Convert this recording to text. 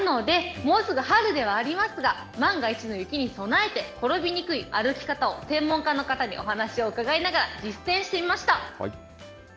なので、もうすぐ春ではありますが、万が一の雪に備えて、転びにくい歩き方を、専門家の方にお話を伺いながら、実践してみました。